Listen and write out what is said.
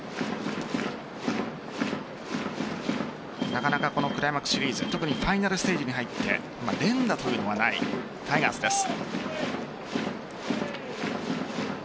なかなかクライマックスシリーズ特にファイナルステージに入って連打というのはないタイガースです。